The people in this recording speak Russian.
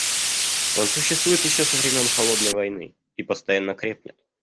Он существует еще со времен «холодной войны» и постоянно крепнет.